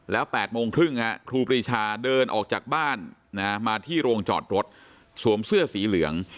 แล้ว๘โมงครึ่งครูปรีชาเดินออกจากบ้านมาที่โรงจอดรถสวมเสื้อสีเหลือง